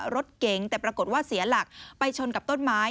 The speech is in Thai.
รถเก๋งแต่ปรากฏว่าเสียหลักไปชนกับต้นไม้